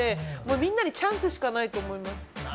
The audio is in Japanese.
みんなにチャンスしかないと思います。